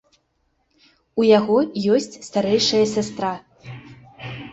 У яго ёсць старэйшая сястра.